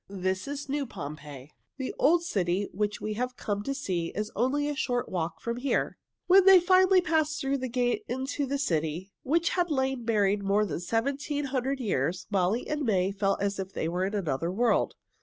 "This is new Pompeii. The old city which we have come to see is only a short walk from here." When they finally passed through the gate into the city, which had lain buried more than seventeen hundred years, Molly and May felt as if they were in another world.